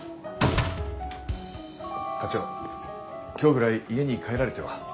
課長今日ぐらい家に帰られては？